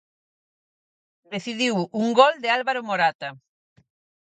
Decidiu un gol de Álvaro Morata.